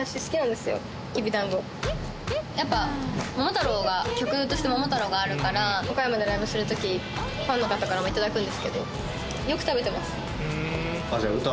やっぱ『桃太郎』が曲として『桃太郎』があるから岡山でライブする時ファンの方からも頂くんですけど。